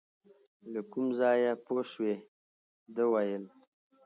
له کوم ځایه پوه شوې، ده ویل .